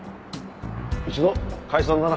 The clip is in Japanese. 一度解散だな。